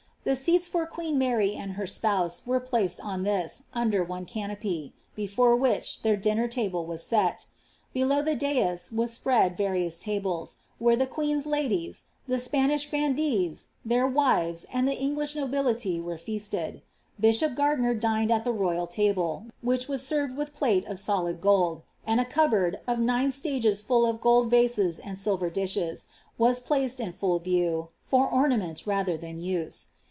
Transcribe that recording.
The seats for queen Mary and her sponse were placed on ihis. under one cgnopj*, befure which llleir diniier lable was seL Betaiv the dais were apreu various tables, where the queen^s ladies, the Spanish frnndc*^ >)ieiT wives, and the English nobility, were TeaateH. Bishop Ganlini>r dinetl U the royal table, which was served with plole of solid gold ; and ■ cupboard, of nine stages full of gold rases and silver dishes, wax placed full in view, for ornament rather than use.